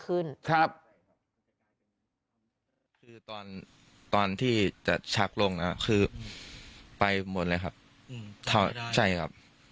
คือตอนตอนที่จะชักลงคือไปหมดเลยครับใช่ครับ